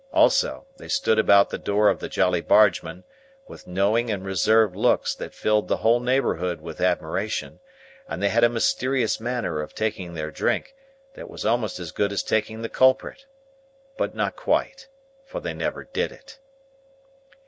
Also, they stood about the door of the Jolly Bargemen, with knowing and reserved looks that filled the whole neighbourhood with admiration; and they had a mysterious manner of taking their drink, that was almost as good as taking the culprit. But not quite, for they never did it.